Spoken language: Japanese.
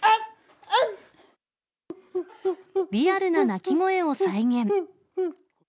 リアルな鳴き声を再現。